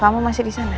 elsa kamu masih di sana